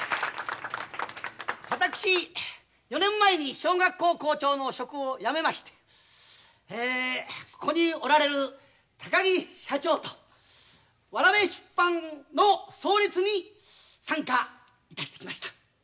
私４年前に小学校校長の職をやめましてここにおられる高木社長とわらべ出版の創立に参加いたしてきました。